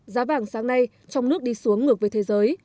giá vàng sáng nay trong nước đi xuống ngược với thế giới